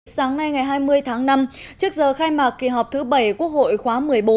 sáng nay ngày hai mươi tháng năm trước giờ khai mạc kỳ họp thứ bảy quốc hội khóa một mươi bốn